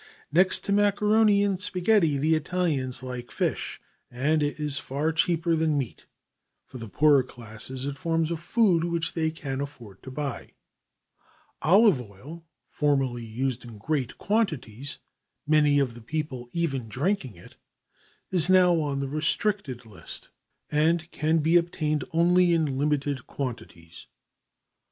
Next to macaroni and spaghetti the Italians like fish, and as it is far cheaper than meat, for the poorer classes it forms a food which they can afford to buy. Olive oil, formerly used in great quantities, many of the people even drinking it, is now on the restricted list, and can be obtained only in limited quantities.